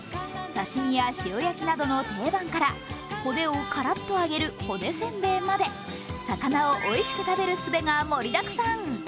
刺身や塩焼きなどの定番から骨をカラッと揚げる骨せんべいまで魚をおいしく食べる術が盛りだくさん。